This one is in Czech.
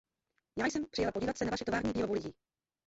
Já jsem přijela podívat se na naši tovární výrobu lidí.